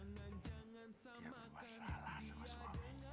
dia membuat salah sama suaminya